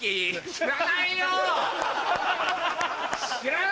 知らないよ！